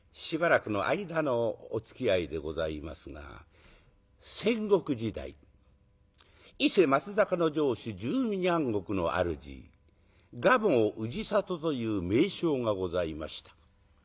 しばらくの間のおつきあいでございますが戦国時代伊勢・松坂の城主１２万石の主蒲生氏郷という名将がございました。